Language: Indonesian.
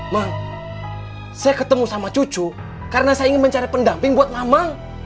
mang saya ketemu sama cucu karena saya ingin mencari pendamping buat mama